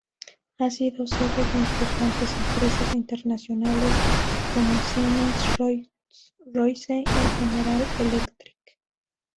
Ha sido sede de importantes empresas internacionales como Siemens, Rolls Royce y General Electric.